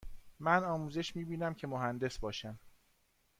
من آموزش می بینم که مهندس باشم.